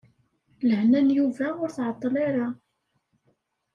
Lehna n Yuba ur tɛeṭṭel ara.